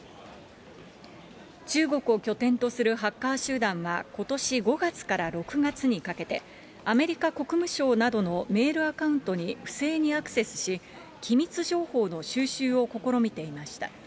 中国を拠点とするハッカー集団はことし５月から６月にかけて、アメリカ国務省などのメールアカウントに不正にアクセスし、機密情報の収集を試みていました。